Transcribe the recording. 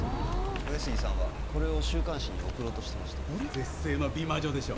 上杉さんはこれを週刊誌に送ろうとしてました絶世の美魔女でしょ？